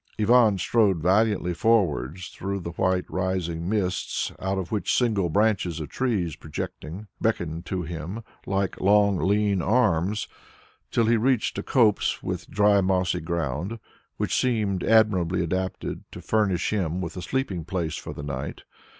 Ivan strode valiantly forwards through the white rising mists out of which single branches of trees projecting, beckoned to him like long lean arms, till he reached a copse with dry mossy ground which seemed admirably adapted to furnish him with a sleeping place for the night.